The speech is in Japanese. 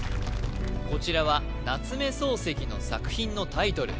こちらは夏目漱石の作品のタイトル